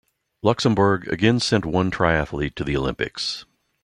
Luxembourg again sent one triathlete to the Olympics.